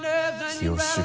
清志郎。